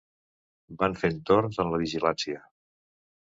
Van fent torns en la vigilància.